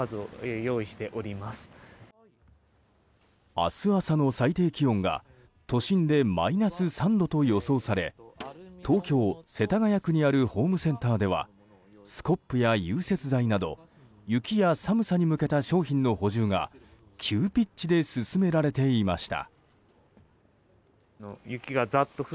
明日朝の最高気温が都心でマイナス３度と予想され東京・世田谷区にあるホームセンターではスコップや融雪剤など雪や寒さに向けた商品の補充が急ピッチで進められていました。